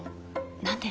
何で？